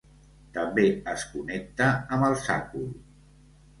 També es connecta amb el sàcul.